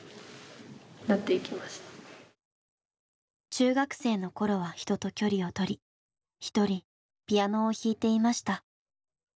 中学生の頃は人と距離を取り一人ピアノを弾いていました。